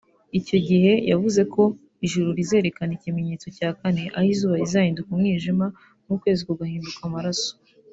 Icyo giye yavuze ko ijuru rizerekana ikimenyetso cya kane aho izuba rizahinduka umwijima n’ukwezi kugahinduka amaraso